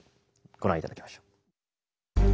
ご覧頂きましょう。